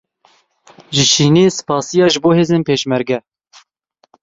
Ji Çînê spasiya ji bo Hêzên Pêşmerge